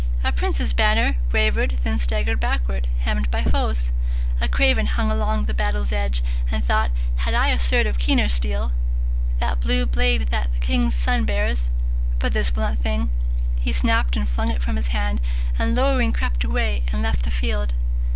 A prince's banner Wavered, then staggered backward, hemmed by foes. A craven hung along the battle's edge, And thought, "Had I a sword of keener steel That blue blade that the king's son bears, but this Blunt thing !" he snapt and flung it from his hand, And lowering crept away and left the field.